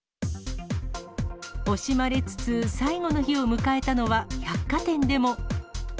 惜しまれつつ最後の日を迎えたのは百貨店でも。